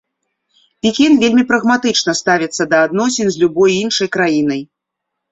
Пекін вельмі прагматычна ставіцца да адносін з любой іншай краінай.